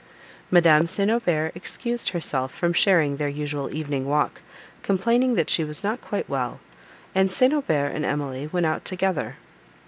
Madame St. Aubert excused herself from sharing their usual evening walk, complaining that she was not quite well, and St. Aubert and Emily went out together.